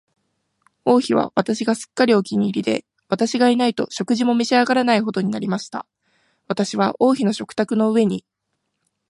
王妃は私がすっかりお気に入りで、私がいないと食事も召し上らないほどになりました。私は王妃の食卓の上に、